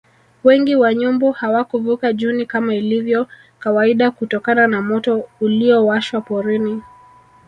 Wengi wa nyumbu hawakuvuka Juni kama ilivyo kawaida kutokana na moto uliowashwa porini